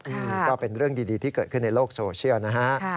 นี่ก็เป็นเรื่องดีที่เกิดขึ้นในโลกโซเชียลนะฮะ